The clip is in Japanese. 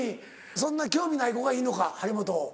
そんな興味ない子がいいのか張本を。